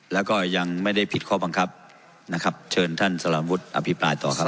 แล้วก็ยังไม่ได้ผิดข้อบังคับนะครับเชิญท่านสารวุฒิอภิปรายต่อครับ